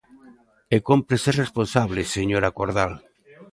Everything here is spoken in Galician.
E cómpre ser responsable, señora Cordal.